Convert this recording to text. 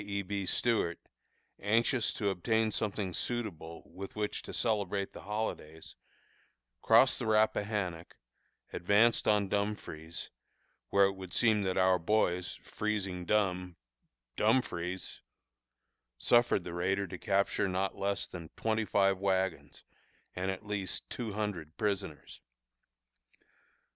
E. B. Stuart, anxious to obtain something suitable with which to celebrate the holidays, crossed the Rappahannock, advanced on Dumfries, where it would seem that our boys, freezing dumb (Dumfries), suffered the raider to capture not less than twenty five wagons, and at least two hundred prisoners.